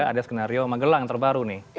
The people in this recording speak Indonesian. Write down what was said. ada skenario magelang terbaru nih